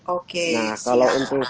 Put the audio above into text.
oke nah kalau untuk